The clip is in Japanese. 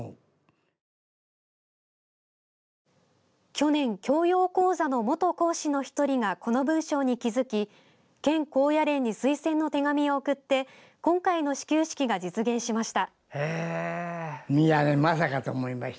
去年、教養講座の元講師の１人がこの文章に気付き県高野連に推薦の手紙を送って今回の始球式が実現しました。